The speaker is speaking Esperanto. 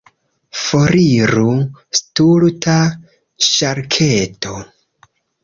Foriru, stulta ŝarketo!